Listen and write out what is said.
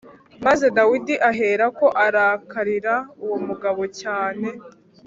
Maze Dawidi aherako arakarira uwo mugabo cyane.